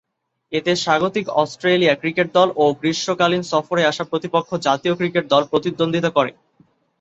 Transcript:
এতে স্বাগতিক Australia cricket দল ও গ্রীষ্মকালীন সফরে আসা প্রতিপক্ষ জাতীয় ক্রিকেট দল প্রতিদ্বন্দ্বিতা করে।